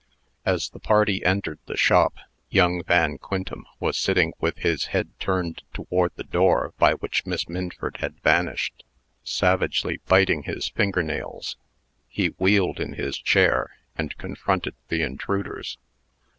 As the party entered the shop, young Van Quintem was sitting with his head turned toward the door by which Miss Minford had vanished, savagely biting his finger nails. He wheeled in his chair, and confronted the intruders.